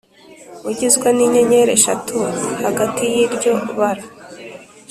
ugizwe n inyenyeri eshatu hagati y iryo bara